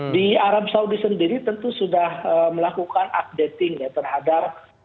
di arab saudi sendiri tentu sudah melakukan updating ya terhadap